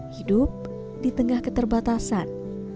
hidup di tengah keterbatasan